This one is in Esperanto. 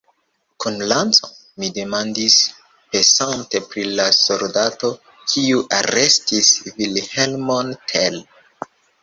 Kun lanco? mi demandis, pensante pri la soldato, kiu arestis Vilhelmon Tell.